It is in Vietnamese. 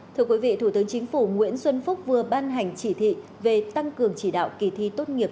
thưa quý vị thủ tướng chính phủ nguyễn xuân phúc vừa ban hành chỉ thị về tăng cường chỉ đạo kỳ thi tốt nghiệp